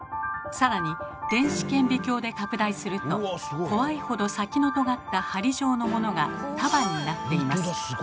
更に電子顕微鏡で拡大すると怖いほど先のとがった針状のものが束になっています。